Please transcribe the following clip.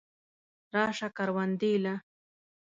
راسه کروندې له.